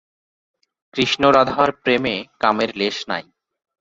কৃষ্ণ-রাধার প্রেমে কামের লেশ নাই।